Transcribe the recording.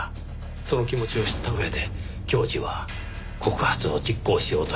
その気持ちを知った上で教授は告発を実行しようとしています。